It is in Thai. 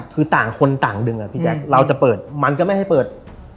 คือต่างคนต่างดึงอ่ะพี่แจ๊คเราจะเปิดมันก็ไม่ให้เปิด